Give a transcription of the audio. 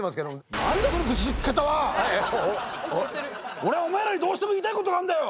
俺はお前らにどうしても言いたいことがあんだよ！